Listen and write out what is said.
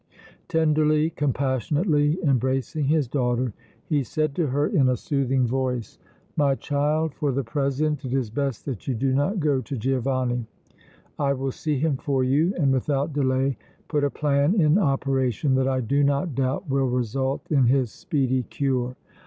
Tenderly, compassionately, embracing his daughter, he said to her, in a soothing voice: "My child, for the present it is best that you do not go to Giovanni. I will see him for you and without delay put a plan in operation that I do not doubt will result in his speedy cure.